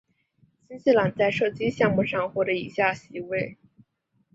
新西兰在射击项目上获得以下席位。